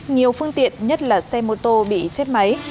nhiều phương tiện nhất là xe mô tô bị chết máy